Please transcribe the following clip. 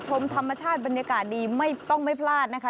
ชมธรรมชาติบรรยากาศดีไม่ต้องไม่พลาดนะคะ